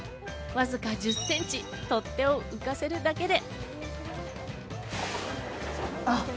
わずか１０センチ取っ手を浮かせるだけで。